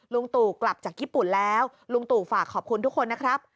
ลุงตู่กลับจากญี่ปุ่นแล้วลุงตู่ฝากขอบคุณทุกคนนะครับ